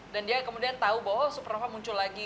dan dia kemudian tahu bahwa supernova muncul lagi